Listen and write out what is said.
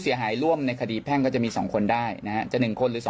ร่วมในคดีแพ่งก็จะมี๒คนได้นะฮะจะ๑คนหรือ๒